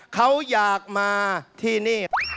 เขาอยากมาที่นี่